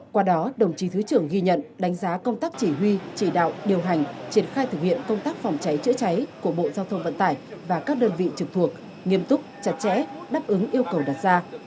qua đó đồng chí thứ trưởng ghi nhận đánh giá công tác chỉ huy chỉ đạo điều hành triển khai thực hiện công tác phòng cháy chữa cháy của bộ giao thông vận tải và các đơn vị trực thuộc nghiêm túc chặt chẽ đáp ứng yêu cầu đặt ra